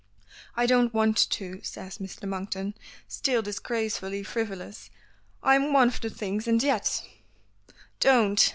"I don't want to," says Mr. Monkton, still disgracefully frivolous. "I'm one of the things, and yet " "Don't!"